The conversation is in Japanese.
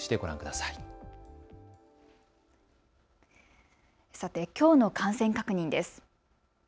さて、きょうの感染確認です。